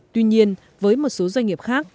tuy nhiên với một số doanh nghiệp khác